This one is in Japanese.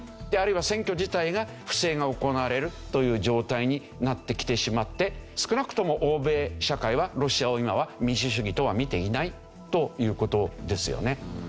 あるいは選挙自体が不正が行われるという状態になってきてしまって少なくとも欧米社会はロシアを今は民主主義とは見ていないという事ですよね。